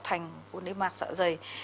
thành nếp mạc dạ dày